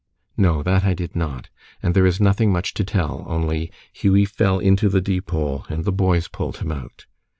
"No, that I did not. And there is nothing much to tell, only Hughie fell into the Deepole and the boys pulled him out!"